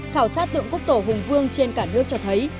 khảo sát tượng quốc tổ hùng vương trên cả nước cho thấy